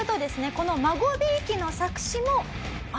この『孫びいき』の作詞も。